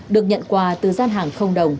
được nhận quà từ gian hàng không đồng